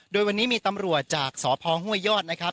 โดยวันนี้มีตำรวจจากสพห้วยยอดนะครับ